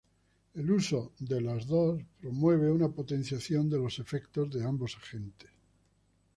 El uso de los dos promueve una potenciación de los efectos de ambos agentes.